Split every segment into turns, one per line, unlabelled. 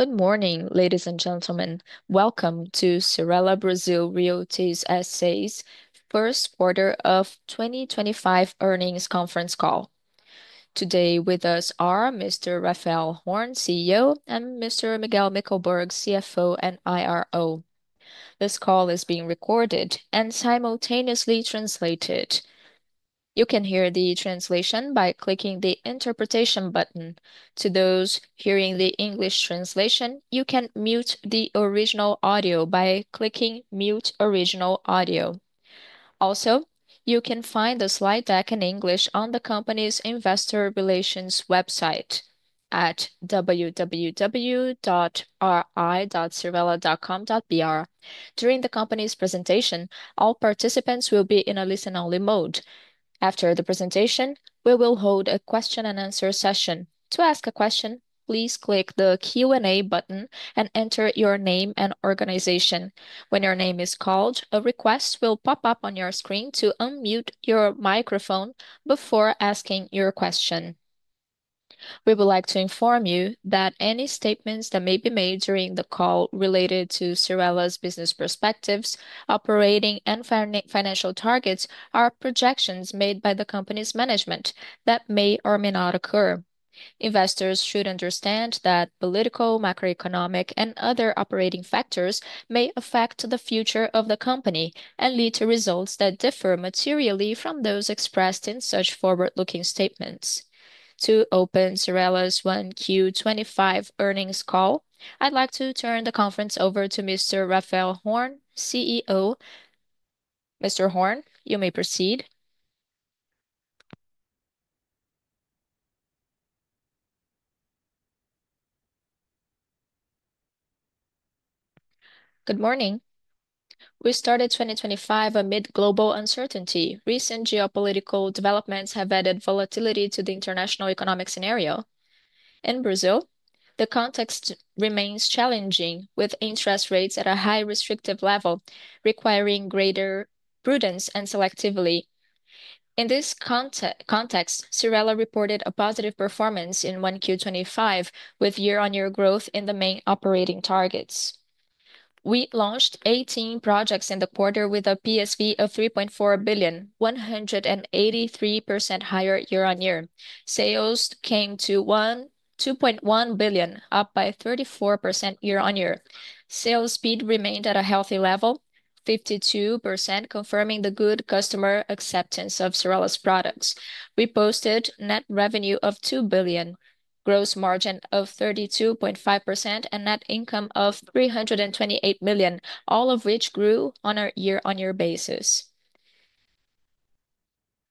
Good morning, ladies and gentlemen. Welcome to Cyrela Brazil Realty S.A.'s first quarter of 2025 earnings conference call. Today with us are Mr. Raphael Horn, CEO, and Mr. Miguel Mickelberg, CFO and IRO. This call is being recorded and simultaneously translated. You can hear the translation by clicking the interpretation button. To those hearing the English translation, you can mute the original audio by clicking Mute Original Audio. Also, you can find the slide deck in English on the company's investor relations website at www.ri.cyrela.com.br. During the company's presentation, all participants will be in a listen-only mode. After the presentation, we will hold a question-and-answer session. To ask a question, please click the Q&A button and enter your name and organization. When your name is called, a request will pop up on your screen to unmute your microphone before asking your question. We would like to inform you that any statements that may be made during the call related to Cyrela's business perspectives, operating, and financial targets are projections made by the company's management that may or may not occur. Investors should understand that political, macroeconomic, and other operating factors may affect the future of the company and lead to results that differ materially from those expressed in such forward-looking statements. To open Cyrela's 1Q25 earnings call, I'd like to turn the conference over to Mr. Raphael Horn, CEO. Mr. Horn, you may proceed.
Good morning. We started 2025 amid global uncertainty. Recent geopolitical developments have added volatility to the international economic scenario. In Brazil, the context remains challenging, with interest rates at a high restrictive level, requiring greater prudence and selectivity. In this context, Cyrela reported a positive performance in 1Q25, with year-on-year growth in the main operating targets. We launched 18 projects in the quarter with a PSV of R$3.4 billion, 183% higher year-on-year. Sales came to R$2.1 billion, up by 34% year-on-year. Sales speed remained at a healthy level, 52%, confirming the good customer acceptance of Cyrela's products. We posted net revenue of R$2 billion, gross margin of 32.5%, and net income of R$328 million, all of which grew on a year-on-year basis.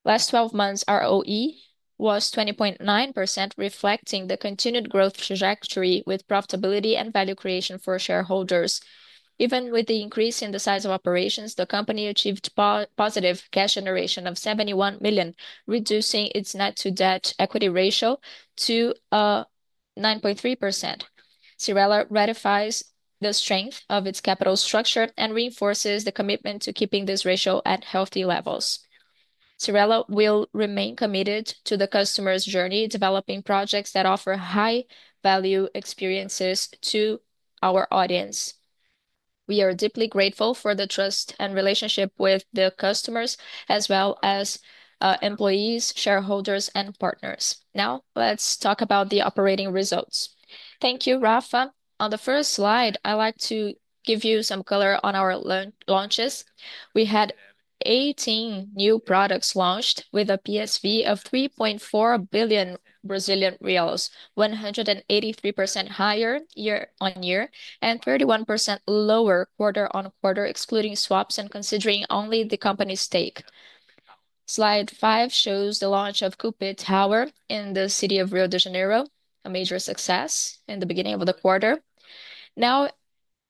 Last 12 months, ROE was 20.9%, reflecting the continued growth trajectory with profitability and value creation for shareholders. Even with the increase in the size of operations, the company achieved positive cash generation of R$71 million, reducing its net-to-debt equity ratio to 9.3%. Cyrela ratifies the strength of its capital structure and reinforces the commitment to keeping this ratio at healthy levels. Cyrela will remain committed to the customer's journey, developing projects that offer high-value experiences to our audience. We are deeply grateful for the trust and relationship with the customers, as well as employees, shareholders, and partners. Now, let's talk about the operating results.
Thank you, Rafa. On the first slide, I'd like to give you some color on our launches. We had 18 new products launched with a PSV of R$3.4 billion, 183% higher year-on-year and 31% lower quarter-on-quarter, excluding swaps and considering only the company's stake. Slide 5 shows the launch of Cupid Tower in the city of Rio de Janeiro, a major success in the beginning of the quarter. Now,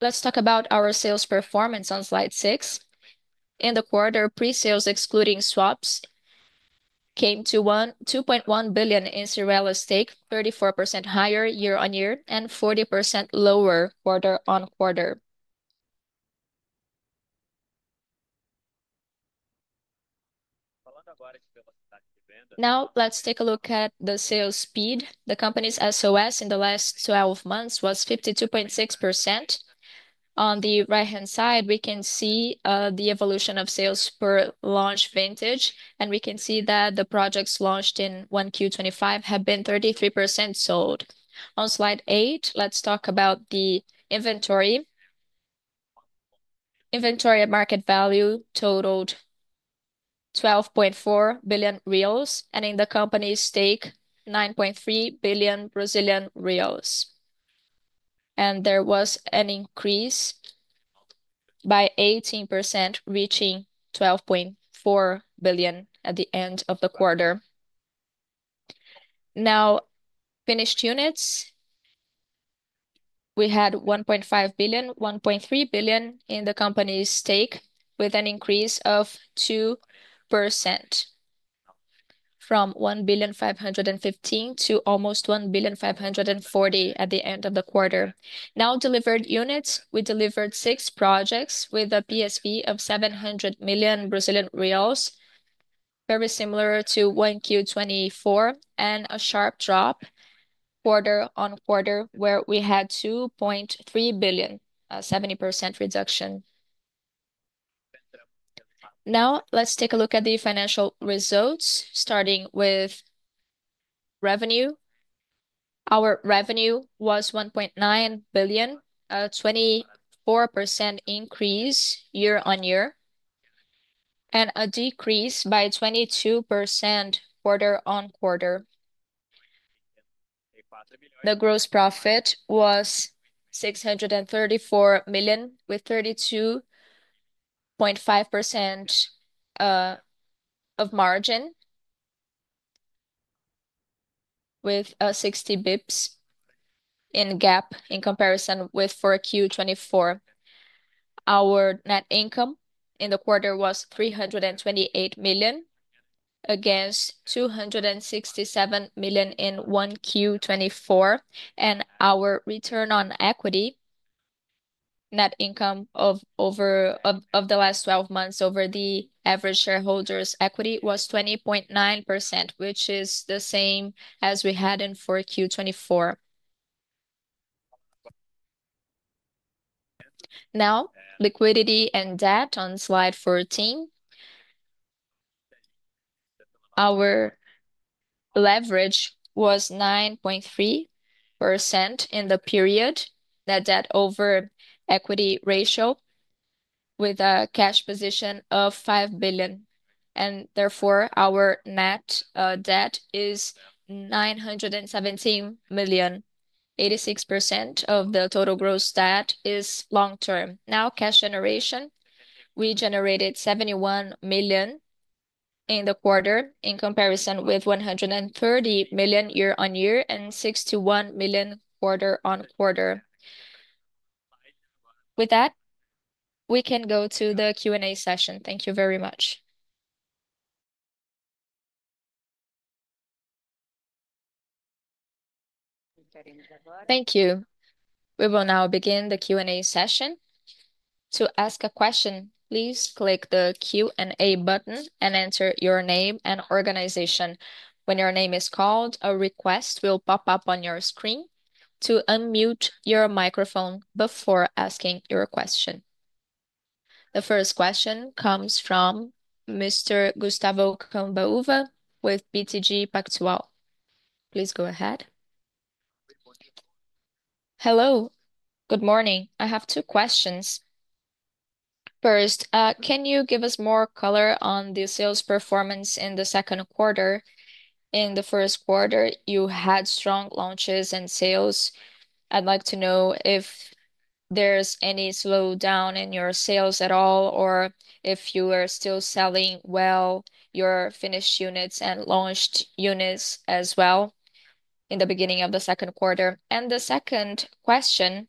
let's talk about our sales performance on slide 6. In the quarter, pre-sales, excluding swaps, came to BR$ 2.1 billion in Cyrela's stake, 34% higher year-on-year and 40% lower quarter-on-quarter. Now, let's take a look at the sales speed. The company's SOS in the last 12 months was 52.6%. On the right-hand side, we can see the evolution of sales per launch vintage, and we can see that the projects launched in 1Q2025 have been 33% sold. On slide 8, let's talk about the inventory. Inventory and market value totaled R$12.4 billion and in the company's stake, R$9.3 billion. There was an increase by 18%, reaching R$12.4 billion at the end of the quarter. Now, finished units. We had R$1.5 billion, R$1.3 billion in the company's stake, with an increase of 2% from R$1.515 billion to almost R$1.54 billion at the end of the quarter. Now, delivered units. We delivered six projects with a PSV of R$700 million, very similar to 1Q2024 and a sharp drop quarter-on-quarter where we had R$2.3 billion, a 70% reduction. Now, let's take a look at the financial results, starting with revenue. Our revenue was R$1.9 billion, a 24% increase year-on-year and a decrease by 22% quarter-on-quarter. The gross profit was R$634 million, with 32.5% of margin, with 60 basis points in gap in comparison with Q4 2024. Our net income in the quarter was R$328 million against R$267 million in Q1 2024, and our return on equity, net income of over the last 12 months over the average shareholder's equity was 20.9%, which is the same as we had in Q4 2024. Now, liquidity and debt on slide 14. Our leverage was 9.3% in the period, net debt over equity ratio, with a cash position of R$5 billion. Therefore, our net debt is R$917 million. 86% of the total gross debt is long-term. Now, cash generation. We generated R$71 million in the quarter in comparison with R$130 million year-on-year and R$61 million quarter-on-quarter. With that, we can go to the Q&A session. Thank you very much.
Thank you. We will now begin the Q&A session. To ask a question, please click the Q&A button and enter your name and organization. When your name is called, a request will pop up on your screen. Unmute your microphone before asking your question. The first question comes from Mr. Gustavo Cambaúva with BTG Pactual. Please go ahead.
Hello. Good morning. I have two questions. First, can you give us more color on the sales performance in the second quarter? In the first quarter, you had strong launches and sales. I would like to know if there is any slowdown in your sales at all or if you are still selling well, your finished units and launched units as well in the beginning of the second quarter. The second question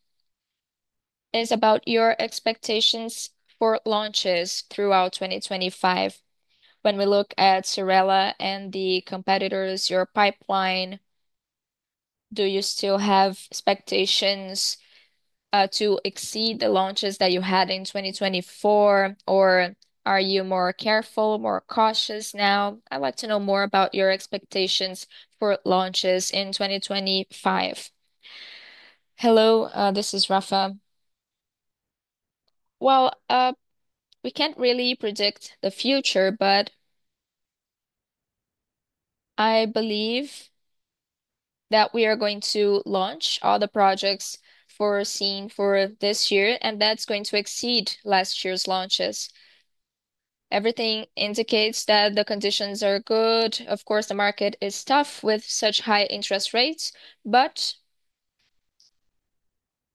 is about your expectations for launches throughout 2025. When we look at Cyrela and the competitors, your pipeline, do you still have expectations to exceed the launches that you had in 2024, or are you more careful, more cautious now? I'd like to know more about your expectations for launches in 2025.
Hello, this is Rafa. We can't really predict the future, but I believe that we are going to launch all the projects foreseen for this year, and that's going to exceed last year's launches. Everything indicates that the conditions are good. Of course, the market is tough with such high interest rates, but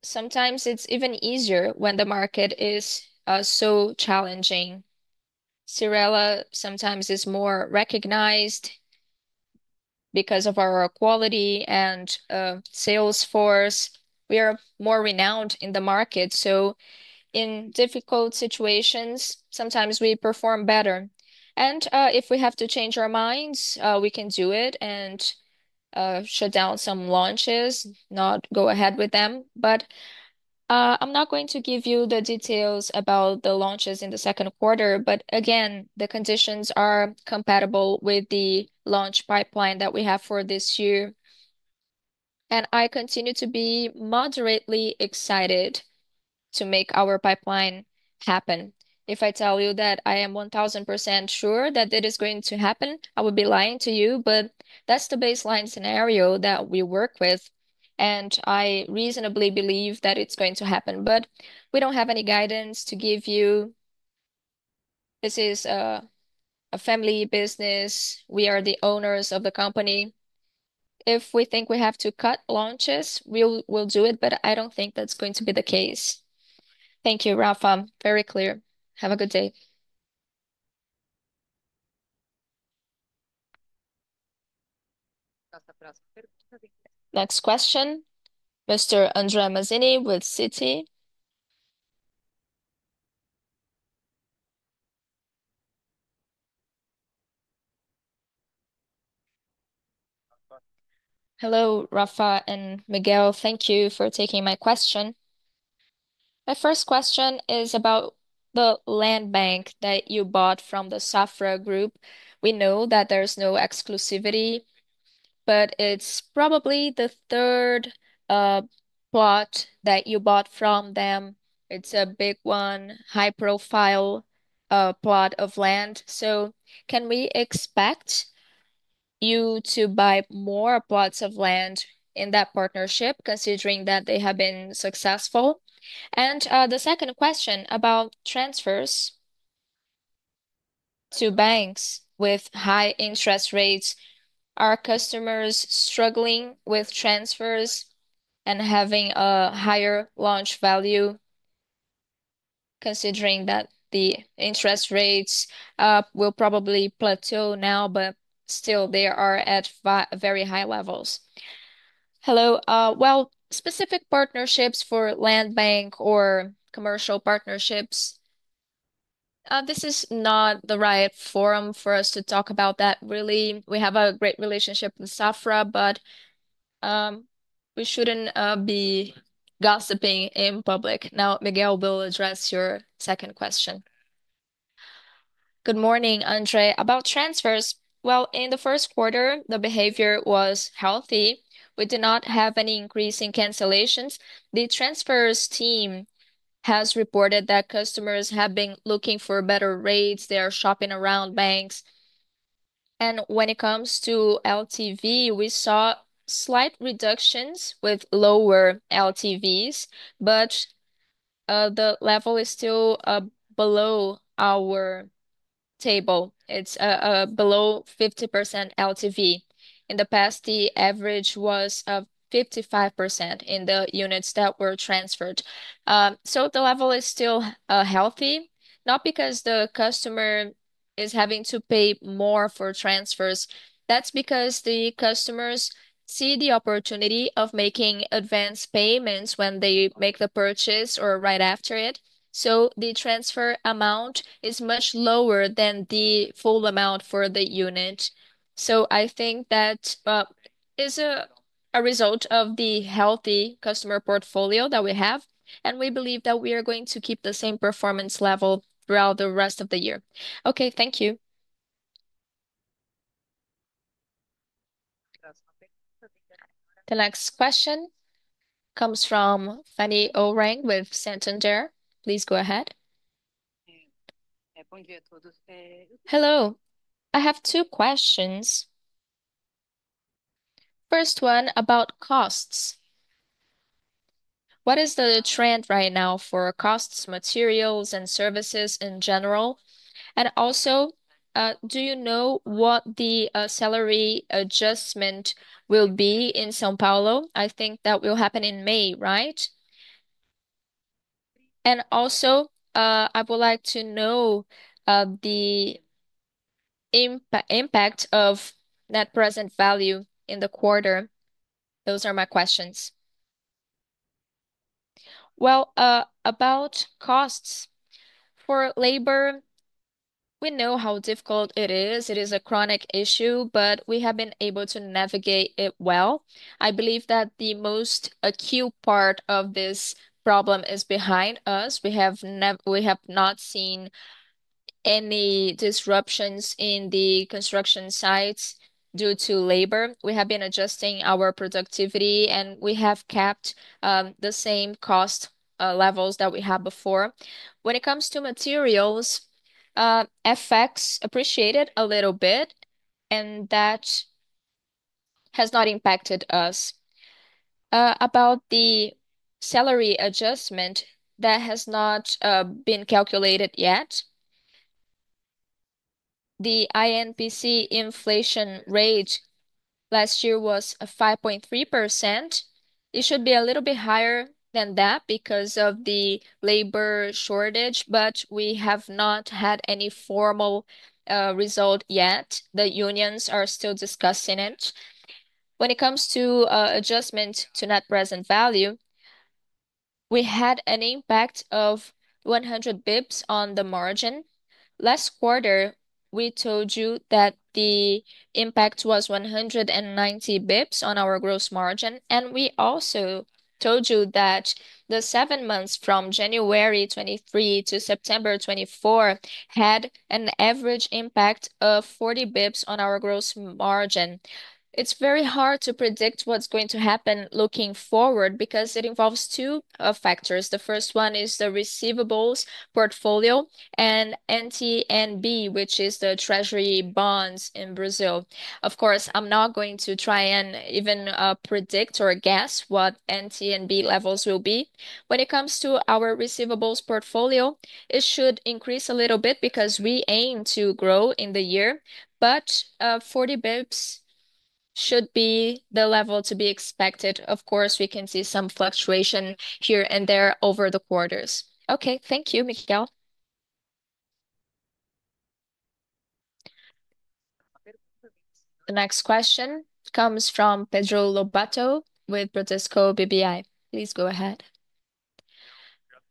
sometimes it's even easier when the market is so challenging. Cyrela sometimes is more recognized because of our quality and sales force. We are more renowned in the market, so in difficult situations, sometimes we perform better. If we have to change our minds, we can do it and shut down some launches, not go ahead with them. I am not going to give you the details about the launches in the second quarter, but again, the conditions are compatible with the launch pipeline that we have for this year. I continue to be moderately excited to make our pipeline happen. If I tell you that I am 1,000% sure that it is going to happen, I would be lying to you, but that is the baseline scenario that we work with, and I reasonably believe that it is going to happen, but we do not have any guidance to give you. This is a family business. We are the owners of the company. If we think we have to cut launches, we will do it, but I do not think that is going to be the case.
Thank you, Rapha. Very clear. Have a good day.
Next question, Mr. André Mazini with Citi.
Hello, Rapha and Miguel. Thank you for taking my question. My first question is about the land bank that you bought from the Safra Group. We know that there is no exclusivity, but it is probably the third plot that you bought from them. It is a big one, high-profile plot of land. Can we expect you to buy more plots of land in that partnership, considering that they have been successful? The second question is about transfers to banks with high interest rates. Are customers struggling with transfers and having a higher launch value, considering that the interest rates will probably plateau now, but still they are at very high levels?
Hello. Specific partnerships for land bank or commercial partnerships. This is not the right forum for us to talk about that, really. We have a great relationship with Safra, but we shouldn't be gossiping in public. Now, Miguel will address your second question.
Good morning, André. About transfers. In the first quarter, the behavior was healthy. We did not have any increase in cancellations. The transfers team has reported that customers have been looking for better rates. They are shopping around banks. When it comes to LTV, we saw slight reductions with lower LTVs, but the level is still below our table. It's below 50% LTV. In the past, the average was 55% in the units that were transferred. The level is still healthy, not because the customer is having to pay more for transfers. That's because the customers see the opportunity of making advance payments when they make the purchase or right after it. The transfer amount is much lower than the full amount for the unit. I think that is a result of the healthy customer portfolio that we have, and we believe that we are going to keep the same performance level throughout the rest of the year.
Okay, thank you.
The next question comes from Fanny Oreng with Santander. Please go ahead.
Hello. I have two questions. First one about costs. What is the trend right now for costs, materials, and services in general? Also, do you know what the salary adjustment will be in São Paulo? I think that will happen in May, right? Also, I would like to know the impact of net present value in the quarter. Those are my questions.
About costs. For labor, we know how difficult it is. It is a chronic issue, but we have been able to navigate it well. I believe that the most acute part of this problem is behind us. We have not seen any disruptions in the construction sites due to labor. We have been adjusting our productivity, and we have kept the same cost levels that we had before. When it comes to materials, FX appreciated a little bit, and that has not impacted us. About the salary adjustment, that has not been calculated yet. The INPC inflation rate last year was 5.3%. It should be a little bit higher than that because of the labor shortage, but we have not had any formal result yet. The unions are still discussing it. When it comes to adjustment to net present value, we had an impact of 100 basis points on the margin. Last quarter, we told you that the impact was 190 basis points on our gross margin, and we also told you that the seven months from January 2023 to September 2024 had an average impact of 40 basis points on our gross margin. It's very hard to predict what's going to happen looking forward because it involves two factors. The first one is the receivables portfolio and NTN-B, which is the Treasury bonds in Brazil. Of course, I'm not going to try and even predict or guess what NTN-B levels will be. When it comes to our receivables portfolio, it should increase a little bit because we aim to grow in the year, but 40 basis points should be the level to be expected. Of course, we can see some fluctuation here and there over the quarters.
Okay, thank you, Miguel.
The next question comes from Pedro Lobato with Bradesco BBI. Please go ahead.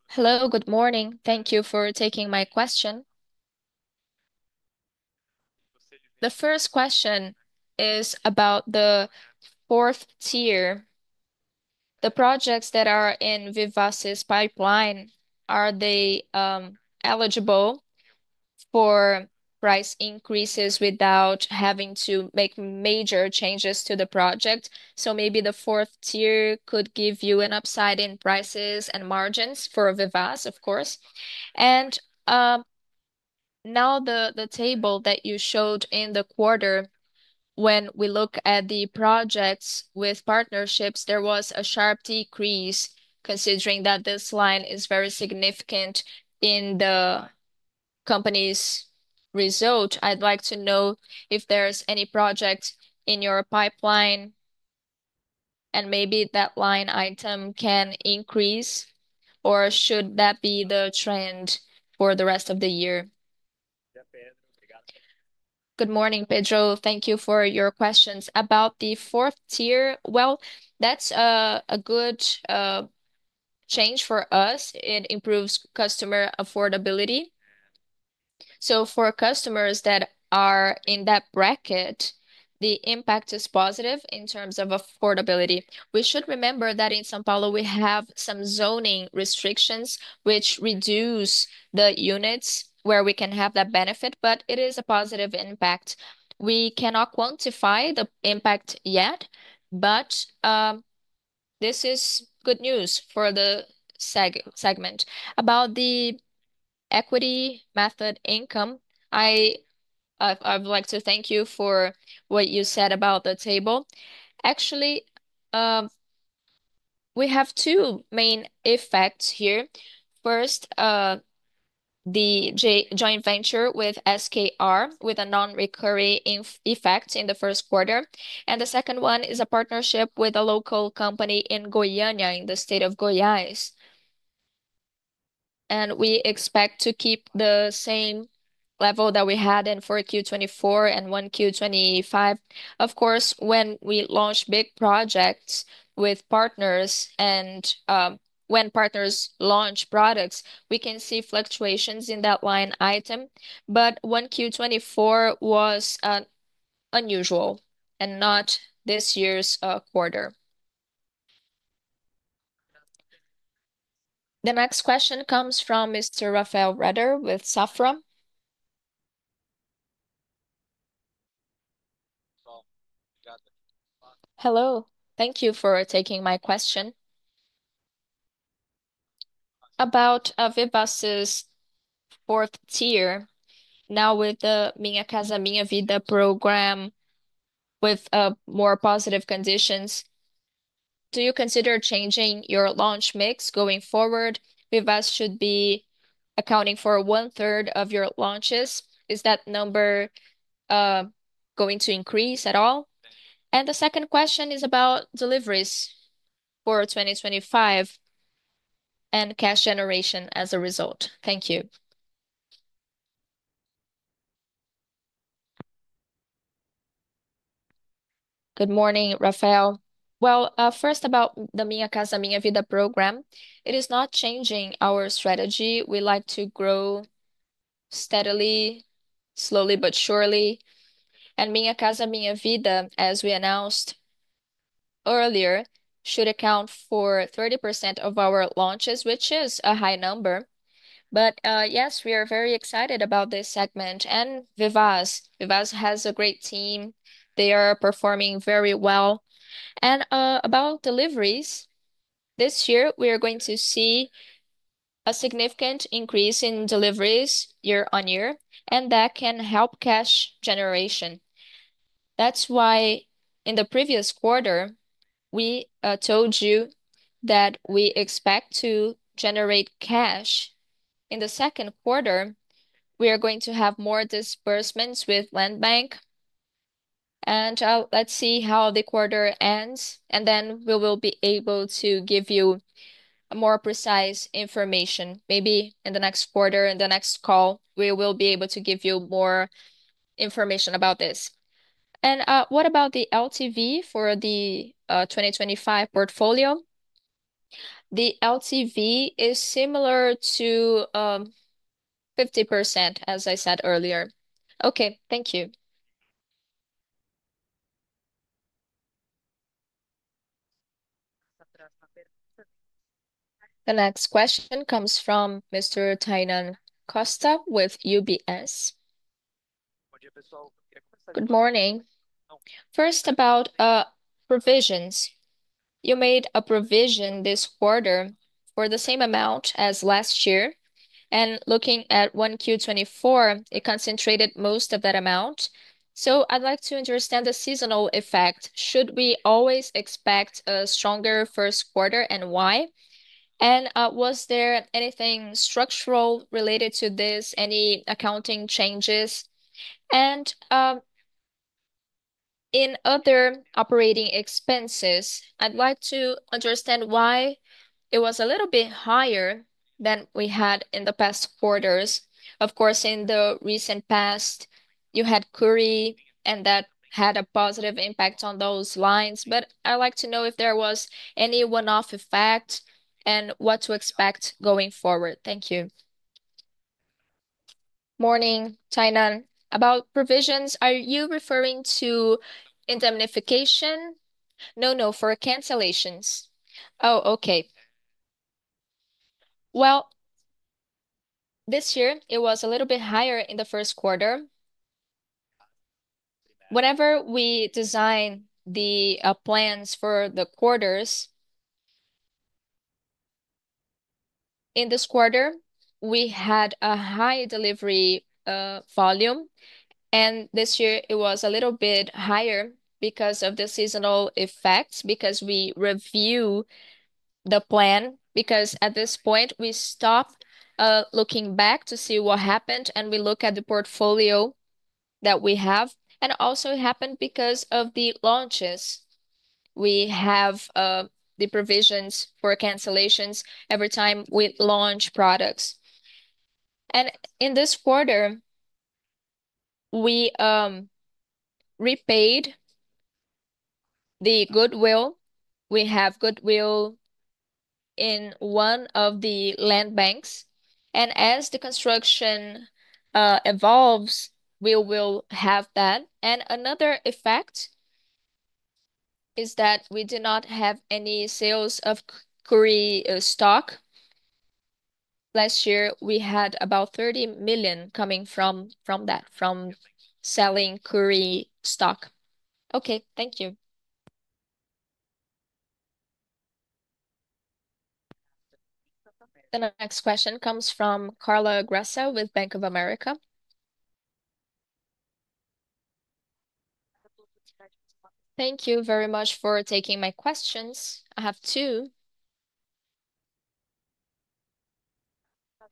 Hello, good morning. Thank you for taking my question. The first question is about the fourth tier. The projects that are in Vivas's pipeline, are they eligible for price increases without having to make major changes to the project? Maybe the fourth tier could give you an upside in prices and margins for Vivas, of course. Now the table that you showed in the quarter, when we look at the projects with partnerships, there was a sharp decrease, considering that this line is very significant in the company's result. I'd like to know if there's any project in your pipeline and maybe that line item can increase, or should that be the trend for the rest of the year?
Good morning, Pedro. Thank you for your questions. About the fourth tier, that's a good change for us. It improves customer affordability. For customers that are in that bracket, the impact is positive in terms of affordability. We should remember that in São Paulo we have some zoning restrictions which reduce the units where we can have that benefit, but it is a positive impact. We cannot quantify the impact yet, but this is good news for the segment. About the equity method income, I'd like to thank you for what you said about the table. Actually, we have two main effects here. First, the joint venture with SKR, with a non-recurring effect in the first quarter. The second one is a partnership with a local company in Goiânia, in the state of Goiás. We expect to keep the same level that we had in Q4 2024 and Q1 2025. Of course, when we launch big projects with partners and when partners launch products, we can see fluctuations in that line item. However, 1Q24 was unusual and not this year's quarter.
The next question comes from Mr. Rafael Rehder with Safra.
Hello. Thank you for taking my question. About Vivas's fourth tier, now with the Minha Casa Minha Vida program, with more positive conditions, do you consider changing your launch mix going forward? Vivas should be accounting for one-third of your launches. Is that number going to increase at all? The second question is about deliveries for 2025 and cash generation as a result. Thank you.
Good morning, Rafael. First, about the Minha Casa Minha Vida program, it is not changing our strategy. We like to grow steadily, slowly but surely. Minha Casa Minha Vida, as we announced earlier, should account for 30% of our launches, which is a high number. Yes, we are very excited about this segment and Vivas. Vivas has a great team. They are performing very well. About deliveries, this year we are going to see a significant increase in deliveries year on year, and that can help cash generation. That is why in the previous quarter, we told you that we expect to generate cash. In the second quarter, we are going to have more disbursements with land bank. Let's see how the quarter ends, and then we will be able to give you more precise information. Maybe in the next quarter, in the next call, we will be able to give you more information about this.
What about the LTV for the 2025 portfolio?
The LTV is similar to 50%, as I said earlier.
Okay, thank you.
The next question comes from Mr. Tainan Costa with UBS.
Good morning. First, about provisions. You made a provision this quarter for the same amount as last year. And looking at 1Q2024, it concentrated most of that amount. I would like to understand the seasonal effect. Should we always expect a stronger first quarter and why? Was there anything structural related to this, any accounting changes? In other operating expenses, I would like to understand why it was a little bit higher than we had in the past quarters. Of course, in the recent past, you had Cury, and that had a positive impact on those lines. I would like to know if there was any one-off effect and what to expect going forward. Thank you.
Morning, Tainan. About provisions, are you referring to indemnification?
No, no, for cancellations.
Oh, okay. This year, it was a little bit higher in the first quarter. Whenever we design the plans for the quarters, in this quarter, we had a high delivery volume. This year, it was a little bit higher because of the seasonal effects, because we review the plan, because at this point, we stop looking back to see what happened, and we look at the portfolio that we have. It also happened because of the launches. We have the provisions for cancellations every time we launch products. In this quarter, we repaid the goodwill. We have goodwill in one of the land banks. As the construction evolves, we will have that. Another effect is that we did not have any sales of Cury stock. Last year, we had about R$30 million coming from that, from selling Cury stock.
Okay, thank you.
The next question comes from Carla Graça with Bank of America.
Thank you very much for taking my questions. I have two.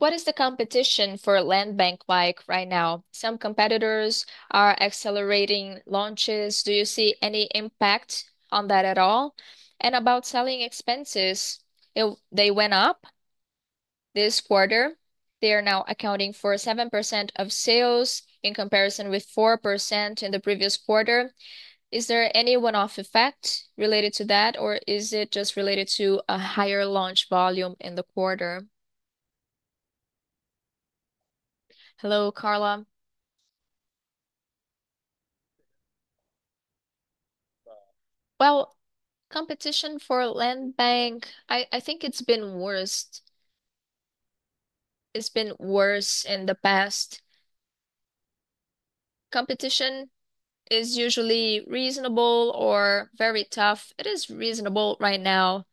What is the competition for land bank right now? Some competitors are accelerating launches. Do you see any impact on that at all? And about selling expenses, they went up this quarter. They are now accounting for 7% of sales in comparison with 4% in the previous quarter. Is there any one-off effect related to that, or is it just related to a higher launch volume in the quarter?
Hello, Carla. Competition for land bank, I think it's been worse. It's been worse in the past. Competition is usually reasonable or very tough. It is reasonable right now.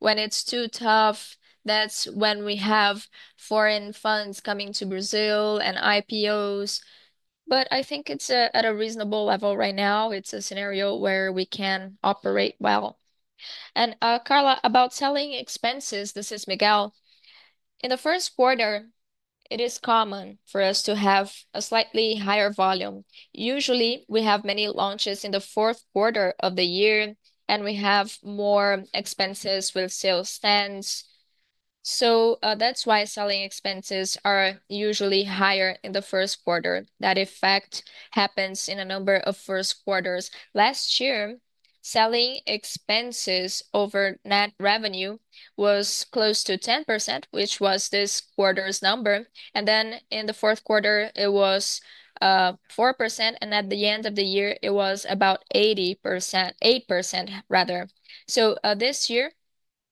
When it's too tough, that's when we have foreign funds coming to Brazil and IPOs. I think it's at a reasonable level right now. It's a scenario where we can operate well.
Carla, about selling expenses, this is Miguel. In the first quarter, it is common for us to have a slightly higher volume. Usually, we have many launches in the fourth quarter of the year, and we have more expenses with sales stance. That is why selling expenses are usually higher in the first quarter. That effect happens in a number of first quarters. Last year, selling expenses over net revenue was close to 10%, which was this quarter's number. In the fourth quarter, it was 4%, and at the end of the year, it was about 8%. This year,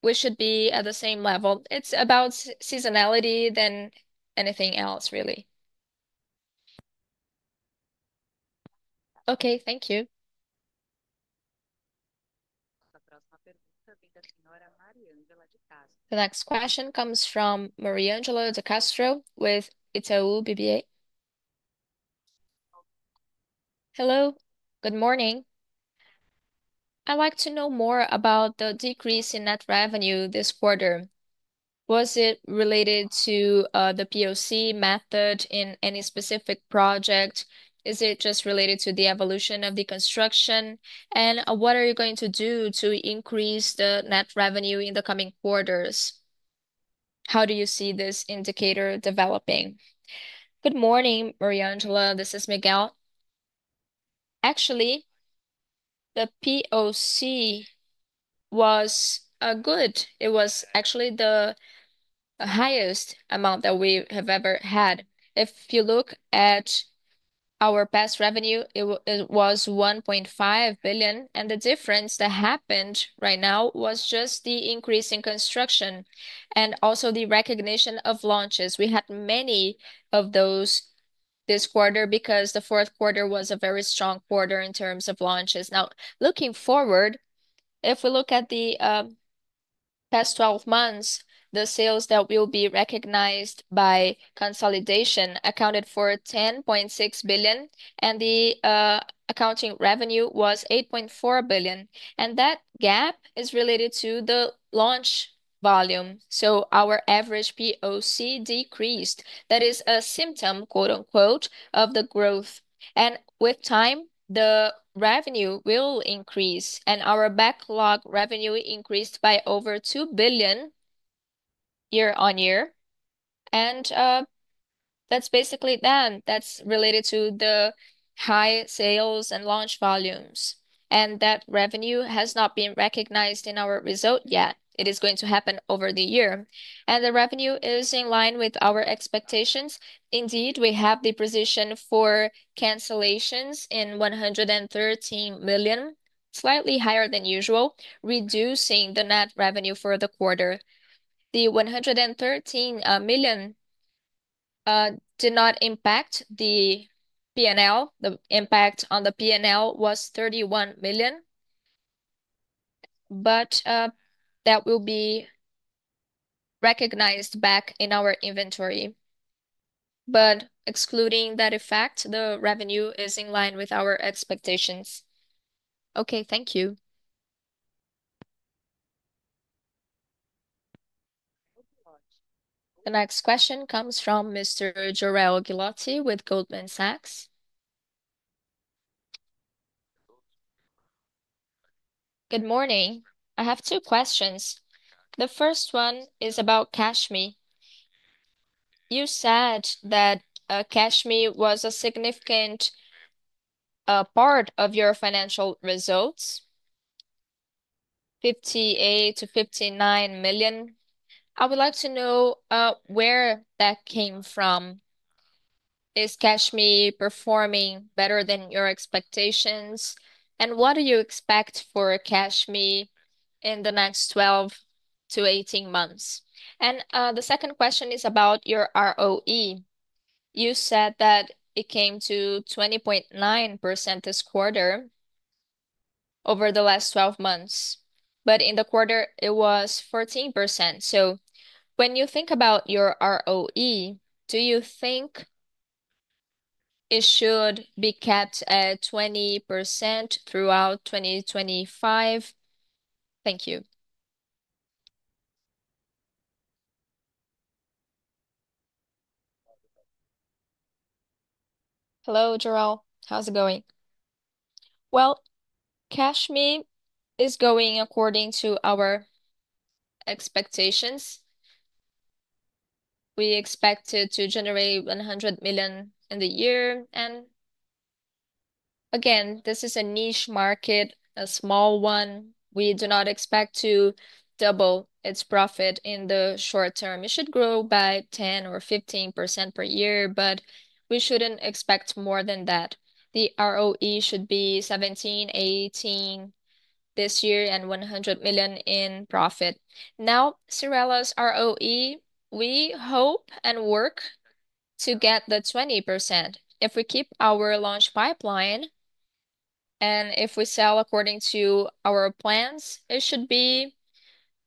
we should be at the same level. It's about seasonality than anything else, really.
Okay, thank you.
The next question comes from Mariangela Castro with Itaú BBA.
Hello, good morning. I'd like to know more about the decrease in net revenue this quarter. Was it related to the POC method in any specific project? Is it just related to the evolution of the construction? What are you going to do to increase the net revenue in the coming quarters? How do you see this indicator developing?
Good morning, Mariangela. This is Miguel. Actually, the POC was good. It was actually the highest amount that we have ever had. If you look at our past revenue, it was R$1.5 billion, and the difference that happened right now was just the increase in construction and also the recognition of launches. We had many of those this quarter because the fourth quarter was a very strong quarter in terms of launches. Now, looking forward, if we look at the past 12 months, the sales that will be recognized by consolidation accounted for R$10.6 billion, and the accounting revenue was R$8.4 billion. That gap is related to the launch volume. Our average POC decreased. That is a symptom, quote unquote, of the growth. With time, the revenue will increase, and our backlog revenue increased by over R$2 billion year on year. That is basically that. That is related to the high sales and launch volumes. That revenue has not been recognized in our result yet. It is going to happen over the year. The revenue is in line with our expectations. Indeed, we have the position for cancellations in R$113 million, slightly higher than usual, reducing the net revenue for the quarter. The R$113 million did not impact the P&L. The impact on the P&L was R$31 million. But that will be recognized back in our inventory. Excluding that effect, the revenue is in line with our expectations.
Okay, thank you.
The next question comes from Mr. Jorel Guilloty with Goldman Sachs.
Good morning. I have two questions. The first one is about CashMe. You said that CashMe was a significant part of your financial results, R$58 million-R$59 million. I would like to know where that came from. Is CashMe performing better than your expectations? What do you expect for CashMe in the next 12-18 months? The second question is about your ROE. You said that it came to 20.9% this quarter over the last 12 months. In the quarter, it was 14%. When you think about your ROE, do you think it should be kept at 20% throughout 2025? Thank you.
Hello, Jorel. How's it going? CashMe is going according to our expectations. We expect it to generate R$100 million in the year. Again, this is a niche market, a small one. We do not expect to double its profit in the short term. It should grow by 10%-15% per year, but we should not expect more than that. The ROE should be 17%-18% this year and R$100 million in profit. Now, Cyrela's ROE, we hope and work to get the 20%. If we keep our launch pipeline and if we sell according to our plans, it should be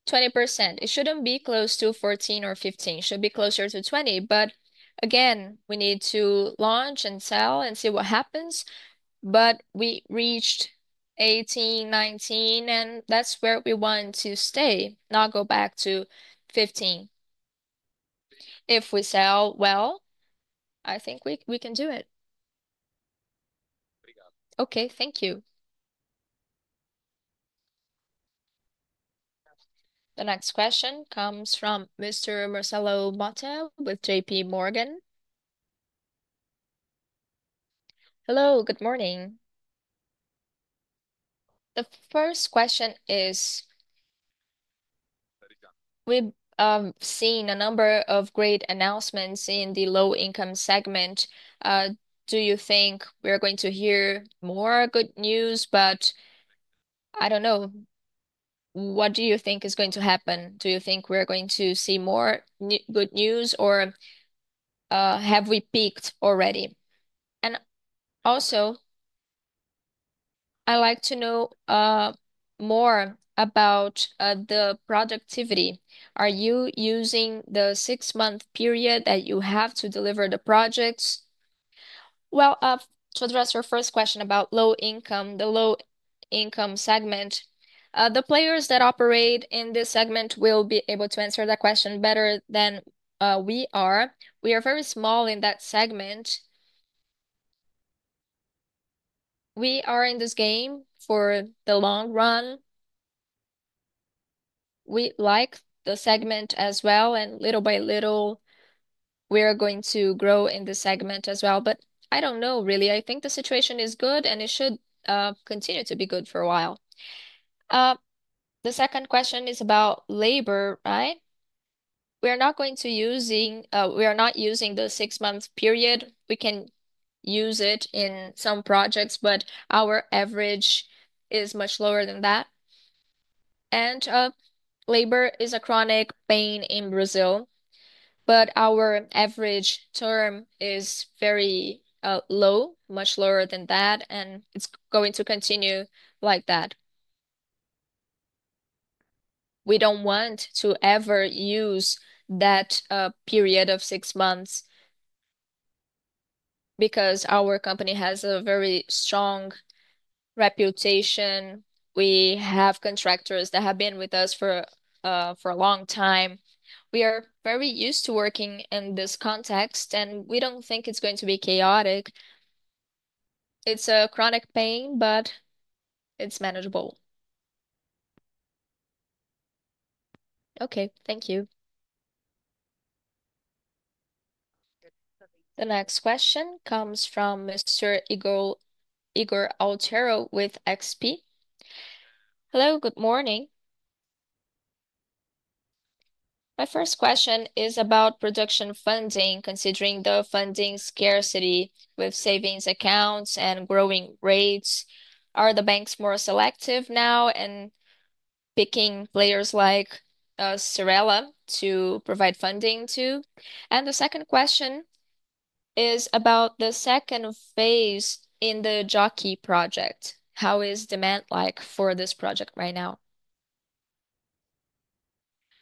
20%. It should not be close to 14% or 15%. It should be closer to 20%. Again, we need to launch and sell and see what happens. We reached 18%-19%, and that is where we want to stay, not go back to 15%. If we sell well, I think we can do it.
Okay, thank you.
The next question comes from Mr. Marcelo Motta with J.P. Morgan.
Hello, good morning. The first question is, we've seen a number of great announcements in the low-income segment. Do you think we're going to hear more good news? I don't know. What do you think is going to happen? Do you think we're going to see more good news, or have we peaked already? I would also like to know more about the productivity. Are you using the six-month period that you have to deliver the projects?
To address your first question about low income, the low income segment, the players that operate in this segment will be able to answer that question better than we are. We are very small in that segment. We are in this game for the long run. We like the segment as well, and little by little, we are going to grow in the segment as well. I do not know, really. I think the situation is good, and it should continue to be good for a while. The second question is about labor, right? We are not going to use, we are not using the six-month period. We can use it in some projects, but our average is much lower than that. Labor is a chronic pain in Brazil. Our average term is very low, much lower than that, and it is going to continue like that. We do not want to ever use that period of six months because our company has a very strong reputation. We have contractors that have been with us for a long time. We are very used to working in this context, and we do not think it is going to be chaotic. It is a chronic pain, but it is manageable.
Okay, thank you.
The next question comes from Mr. Ygor Altero with XP.
Hello, good morning. My first question is about production funding, considering the funding scarcity with savings accounts and growing rates. Are the banks more selective now in picking players like Cyrela to provide funding to? The second question is about the second phase in the Jockey project. How is demand like for this project right now?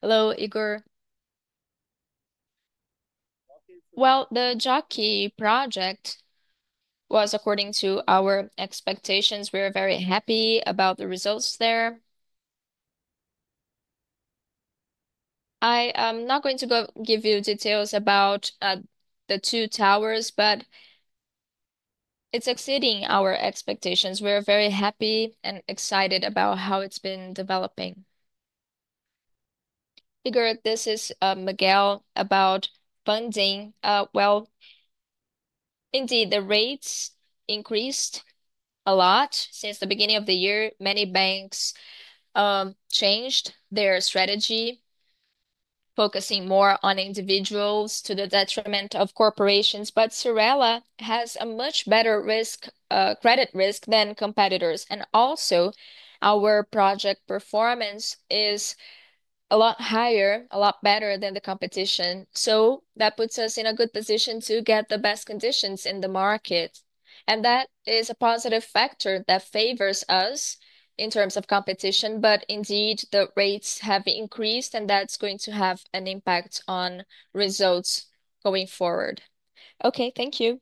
Hello, Ygor. The Jockey project was according to our expectations. We are very happy about the results there. I am not going to give you details about the two towers, but it is exceeding our expectations. We are very happy and excited about how it has been developing.
Ygor, this is Miguel about funding. Indeed, the rates increased a lot since the beginning of the year. Many banks changed their strategy, focusing more on individuals to the detriment of corporations. Cyrela has a much better risk, credit risk than competitors. Also, our project performance is a lot higher, a lot better than the competition. That puts us in a good position to get the best conditions in the market. That is a positive factor that favors us in terms of competition. Indeed, the rates have increased, and that's going to have an impact on results going forward.
Okay, thank you.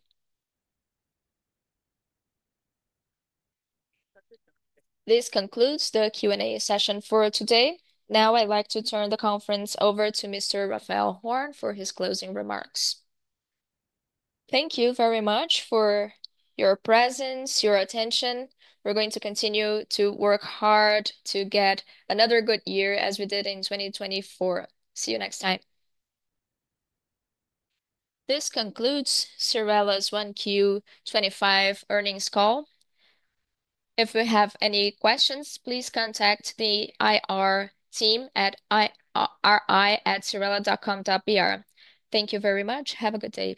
This concludes the Q&A session for today. Now, I'd like to turn the conference over to Mr. Raphael Horn for his closing remarks.
Thank you very much for your presence, your attention. We're going to continue to work hard to get another good year as we did in 2024. See you next time.
This concludes Cyrela's 1Q25 earnings call. If you have any questions, please contact the IR team at ri@cyrela.com.br. Thank you very much. Have a good day.